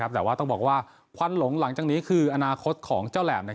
แต่ว่าต้องบอกว่าควันหลงหลังจากนี้คืออนาคตของเจ้าแหลม